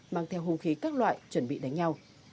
mang theo hung khí các loại chuẩn bị đánh nhau